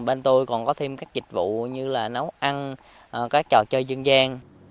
và bên tôi còn có thêm các dịch vụ như là nấu ăn các trò chơi dương gian